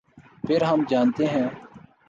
پھر ہم جانتے ہیں۔